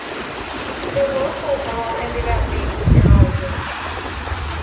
The local girl ended up being Sheryl Lee.